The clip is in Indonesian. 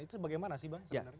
itu bagaimana sih bang sebenarnya